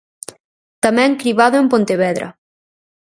Tamén cribado en Pontevedra.